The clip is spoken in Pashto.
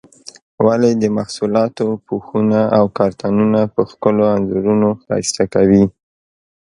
ولې د محصولاتو پوښونه او کارتنونه په ښکلو انځورونو ښایسته کوي؟